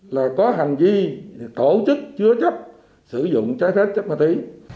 là có hành vi tổ chức chứa chấp sử dụng trái phép chất ma túy